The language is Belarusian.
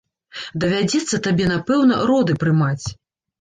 Давядзецца табе, напэўна, роды прымаць.